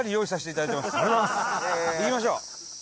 行きましょう。